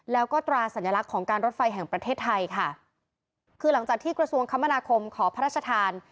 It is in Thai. แล้วก็ตราสัญลักษณ์ของการรถไฟแห่งประเทศไทยค่ะคือหลังจากที่กระทรวงคมนาคมขอพระราชทาน